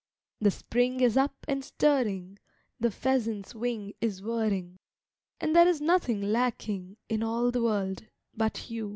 The Spring is up and stirring, The pheasant's wing is whirring, And there is nothing lacking In all the world, but you.